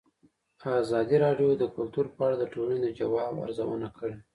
ازادي راډیو د کلتور په اړه د ټولنې د ځواب ارزونه کړې.